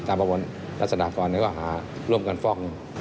ตามประวัติรัศนากรก็หาร่วมกันฟอกเงิน